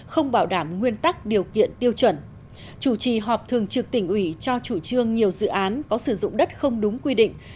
không bảo đảm nguyên tắc điều kiện tiêu chuẩn chủ trì họp thường trực tỉnh ủy cho chủ trương nhiều dự án có sử dụng đất không đúng quy định